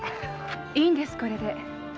いいんですこれで。